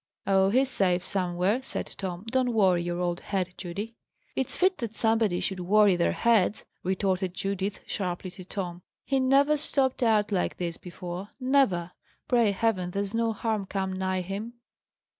"Oh, he's safe somewhere," said Tom. "Don't worry your old head, Judy." "It's fit that somebody should worry their heads," retorted Judith sharply to Tom. "He never stopped out like this before never! Pray Heaven there's no harm come nigh him!"